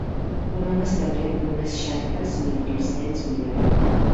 Un home està dret amb unes xanques mentre els nens miren.